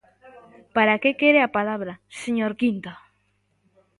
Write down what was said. ¿Para que quere a palabra, señor Quinta?